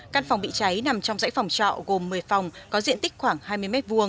căn phòng bị cháy nằm trong dãy phòng trọ gồm một mươi phòng có diện tích khoảng hai mươi m hai